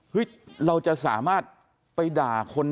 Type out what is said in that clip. เราจะสามารถไปด่าคน